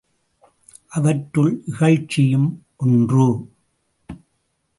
அவற்றுள் இகழ்ச்சியும் ஒன்று.